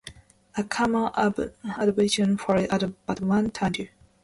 A common abbreviation for "battement tendu".